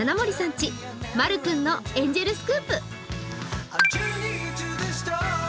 家、まる君のエンジェルスクープ。